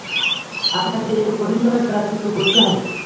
আপনাকে এর কঠিনভাবে প্রায়শ্চিত্ত করতে হবে।